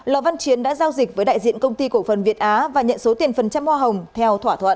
lò văn chiến đã giao dịch với đại diện công ty cổ phần việt á và nhận số tiền phần trăm hoa hồng theo thỏa thuận